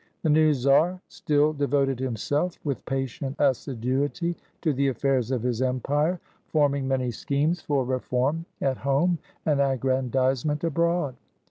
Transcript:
The new czar still devoted himself with patient assi duity to the affairs of his empire, forming many schemes 70 THE FALSE CZAR for reform at home, and aggrandizement abroad.